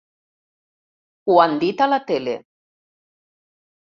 Ho han dit a la tele.